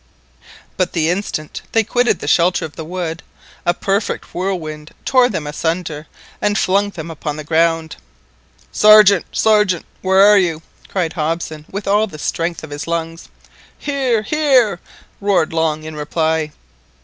But the instant they quitted the shelter of the wood a perfect whirlwind tore them asunder, and flung them upon the ground. "Sergeant, Sergeant! Where are you?" cried Hobson with all the strength of his lungs. "Here, here!" roared Long in reply.